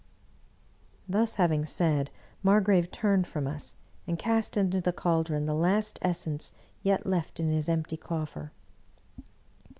Thus having said. Margrave turned from us, and cast into the caldron the last essence yet left in his empty coffer.